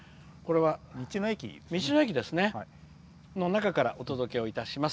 道の駅の中からお届けいたします。